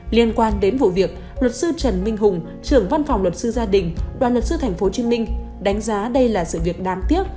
liên quan đến vụ việc luật sư trần minh hùng trưởng văn phòng luật sư gia đình đoàn luật sư tp hcm đánh giá đây là sự việc đáng tiếc